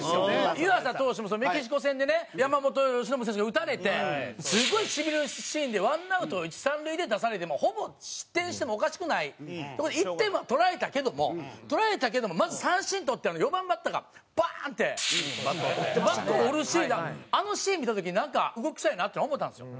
湯浅投手もメキシコ戦でね山本由伸選手が打たれてすごいしびれるシーンで１アウト一三塁で出されてもうほぼ失点してもおかしくないところで１点は取られたけども取られたけどもまず三振とってあの４番バッターがバーンってバットを折るシーンがあのシーン見た時になんか動きそうやなっていうの思ったんですよ。